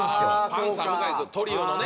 パンサー向井君トリオのね。